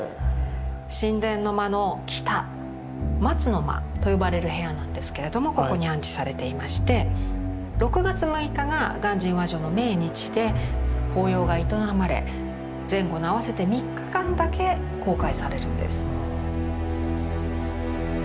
宸殿の間の北松の間と呼ばれる部屋なんですけれどもここに安置されていまして６月６日が鑑真和上の命日で法要が営まれ前後の合わせて３日間だけ公開されるんです。